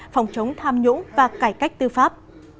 phòng chống tham nhũng và cải cách tư pháp